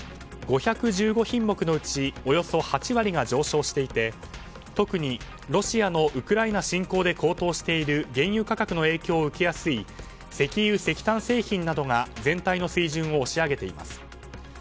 ５１５品目のうちおよそ８割が上昇していて特にロシアのウクライナ侵攻で高騰している原油価格の影響を受けやすい石油・石炭製品などが全体の水準を押し上げています。